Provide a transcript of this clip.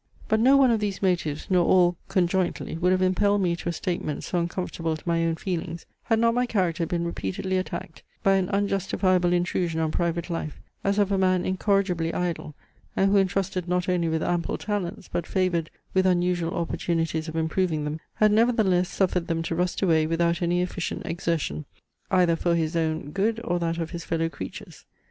But no one of these motives nor all conjointly would have impelled me to a statement so uncomfortable to my own feelings, had not my character been repeatedly attacked, by an unjustifiable intrusion on private life, as of a man incorrigibly idle, and who intrusted not only with ample talents, but favoured with unusual opportunities of improving them, had nevertheless suffered them to rust away without any efficient exertion, either for his own good or that of his fellow creatures.